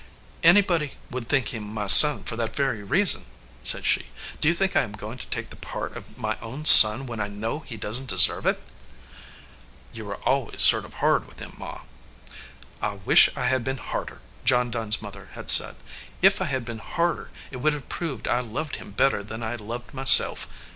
"Anybody would think him my son for that very reason," said she. "Do you think I am going to take the part of my own son when I know he doesn t deserve it?" "You were always sort of hard with him, Ma." "I wish I had been harder," John Dunn s mother had said. "If I had been harder it would have proved I loved him better than I loved myself.